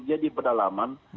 dia di pedalaman